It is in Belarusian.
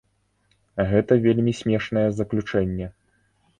Гэта вельмі смешнае заключэнне.